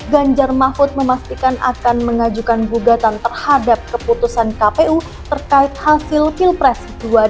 ganjar mahfud memastikan akan mengajukan gugatan terhadap keputusan kpu terkait hasil pilpres dua ribu dua puluh